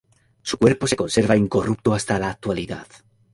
Su cuerpo se conserva incorrupto hasta la actualidad.